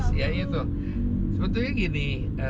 ya pak jess ya itu sebetulnya gini